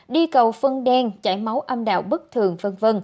đi cầu phân đen chảy máu âm đạo bất thường v v